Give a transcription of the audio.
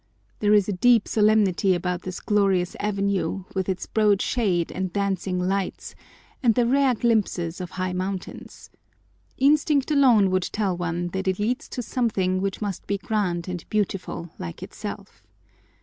There is a deep solemnity about this glorious avenue with its broad shade and dancing lights, and the rare glimpses of high mountains. Instinct alone would tell one that it leads to something which must be grand and beautiful like itself.